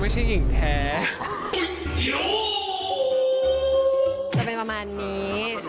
จะเป็นประมาณนี้